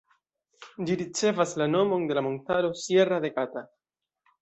Ĝi ricevas la nomon de la montaro Sierra de Gata.